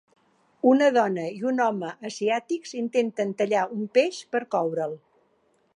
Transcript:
Una dona i un home asiàtics intenten tallar un peix per coure'l.